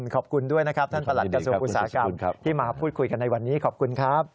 ขอบคุณด้วยนะครับท่านประหลัดกระทรวงอุตสาหกรรมที่มาพูดคุยกันในวันนี้ขอบคุณครับ